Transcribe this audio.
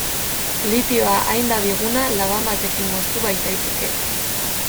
Litioa hain da biguna, laban batekin moztu baitaiteke.